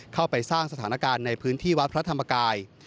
เข้าไปสร้างสถานการณ์ในพื้นที่วัดพระธรรมกาย